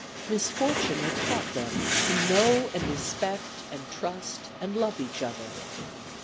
"Misfortune had taught them to know and respect and trust and love each other.